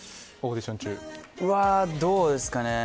どうですかね。